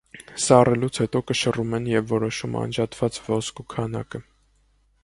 Սառելուց հետո կշռում են և որոշում անջատված ոսկու քանակը։